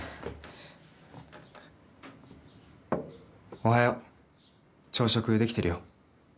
おはよう朝食できてるよ